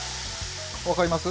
分かります？